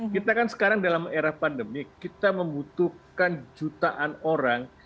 kita kan sekarang dalam era pandemi kita membutuhkan jutaan orang